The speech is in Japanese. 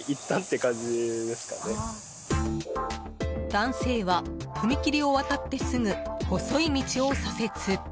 男性は踏切を渡ってすぐ細い道を左折。